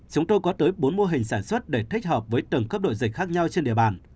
chúng tôi có tới bốn mô hình sản xuất để thích hợp với tầng cấp độ dịch khác nhau trên địa bàn